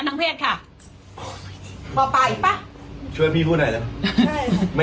ไม่ซื้อใช่ปมครับ